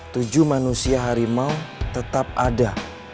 tujuh manusia harimau tetap ada